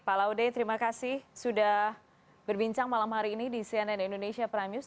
pak laude terima kasih sudah berbincang malam hari ini di cnn indonesia prime news